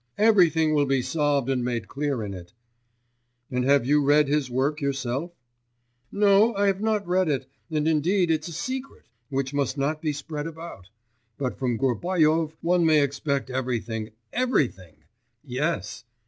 Everything will be solved and made clear in it.' 'And have you read this work yourself?' 'No, I have not read it, and indeed it's a secret, which must not be spread about; but from Gubaryov one may expect everything, everything! Yes!